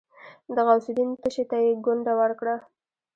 د غوث الدين تشي ته يې ګونډه ورکړه.